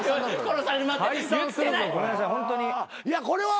いやこれは。